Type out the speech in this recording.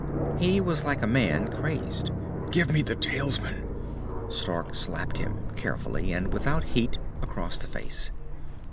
He was like a man crazed. "Give me the talisman!" Stark slapped him, carefully and without heat, across the face.